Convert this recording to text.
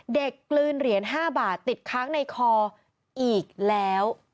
กลืนเหรียญ๕บาทติดค้างในคออีกแล้ว